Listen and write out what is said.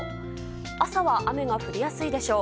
朝は雨が降りやすいでしょう。